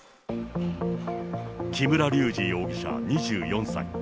木村隆二容疑者２４歳。